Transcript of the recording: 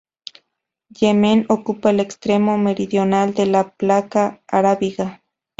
Yemen ocupa el extremo meridional de la placa arábiga.